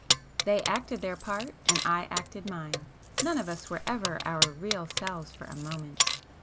They acted their part and I acted mine,—none of us were ever our real selves for a moment.